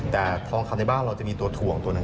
แต่ทองคำในบ้านเราจะมีตัวถ่วงตัวหนึ่ง